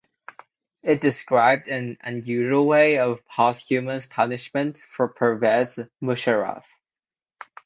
It described an unusual way of posthumous punishment for Pervez Musharraf.